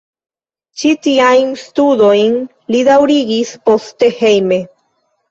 Ĉi tiajn studojn li daŭrigis poste hejme.